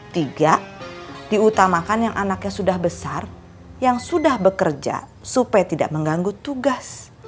tiga diutamakan yang anaknya sudah besar yang sudah bekerja supaya tidak mengganggu tugas